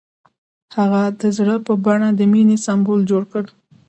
هغه د زړه په بڼه د مینې سمبول جوړ کړ.